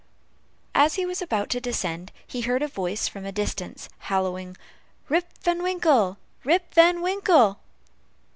As he was about to descend, he heard a voice from a distance hallooing: "Rip Van Winkle! Rip Van Winkle!"